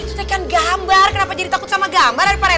itu tekan gambar kenapa jadi takut sama gambar pak rt